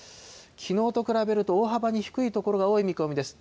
きのうと比べると大幅に低い所が多い見込みです。